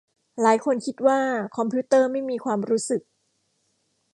หลายคนคิดว่าคอมพิวเตอร์ไม่มีความรู้สึก